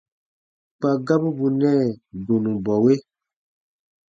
Kpa gabu bù nɛɛ dũrubɔwe.